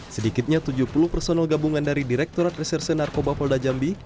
sedikitnya tujuh puluh personel gabungan dari direktorat reserse narkoba polda jambi